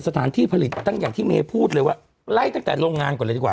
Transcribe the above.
สถานที่ผลิตตั้งอย่างที่เมย์พูดเลยว่าไล่ตั้งแต่โรงงานก่อนเลยดีกว่า